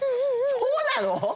そうなの？